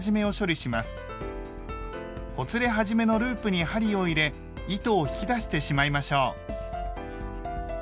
ほつれ始めのループに針を入れ糸を引き出してしまいましょう。